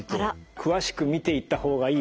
詳しく見ていった方がいい。